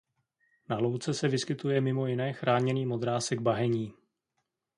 Na louce se vyskytuje mimo jiné chráněný modrásek bahenní.